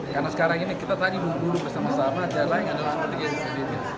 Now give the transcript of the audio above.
karena sekarang ini kita tadi berduduk bersama sama jalan lain adalah seperti ini